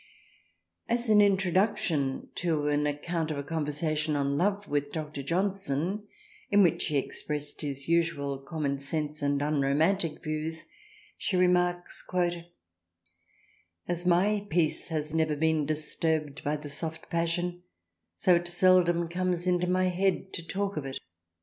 As an introduction to an account of a conversa tion on Love with Dr. Johnson in which he expressed his usual commonsense and unromantic views, she remarks " As my peace has never been disturbed by the Soft Passion so it seldom comes into my head to talk of it."